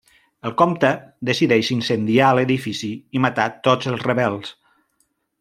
El comte decideix incendiar l'edifici i matar tots els rebels.